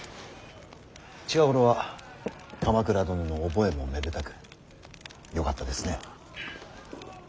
近頃は鎌倉殿の覚えもめでたくよかったですね。